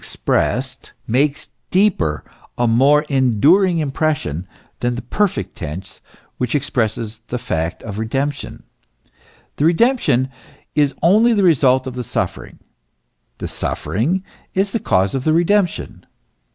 61 makes a deeper, a more enduring impression, than the perfect tense which expresses the fact of redemption. The redemption is only the result of the suffering ; the suffering is the cause of the redemption.